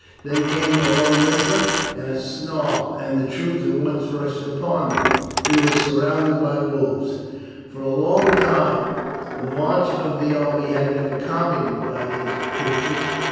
Then came a low whimper and a snarl, and the truth at once rushed upon him. He was surrounded by wolves. For a long time the march of the army had been accompanied by these creatures.